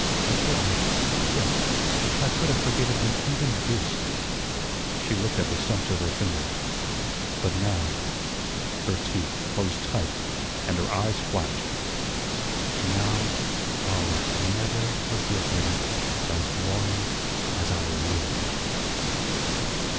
I could have yes, I could have forgiven him even THIS" she looked at the stumps of her fingers. "But now," her teeth closed tight and her eyes flashed, "now I'll never forgive him as long as I live."